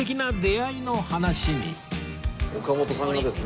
岡本さんがですね。